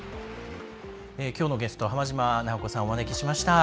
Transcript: きょうのゲスト浜島直子さんをお招きしました。